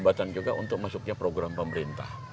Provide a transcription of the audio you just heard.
jembatan juga untuk masuknya program pemerintah